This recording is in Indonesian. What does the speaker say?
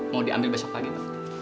mau diambil besok pagi itu